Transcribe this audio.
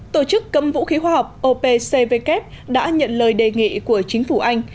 tổ chức câm vũ khí khoa học opcw đã nhận lời đề nghị của chính phủ anh